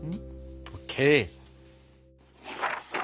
ＯＫ！